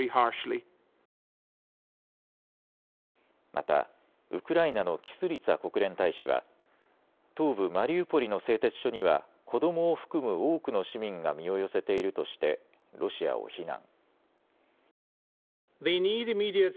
また、ウクライナのキスリツァ国連大使は東部マリウポリの製鉄所には、子どもを含む多くの市民が身を寄せているとしてロシアを非難。